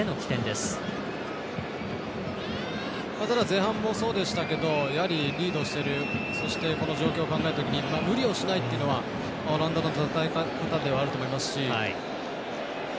前半もそうでしたけどやはりリードしているそして、この状況を考えたときに無理をしないというのがオランダの戦い方ではあると思いますし。